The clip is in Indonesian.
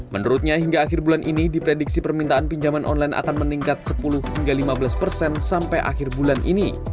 menurutnya hingga akhir bulan ini diprediksi permintaan pinjaman online akan meningkat sepuluh hingga lima belas persen sampai akhir bulan ini